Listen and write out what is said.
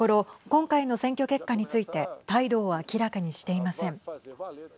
今回の選挙結果について態度を明らかにしていません。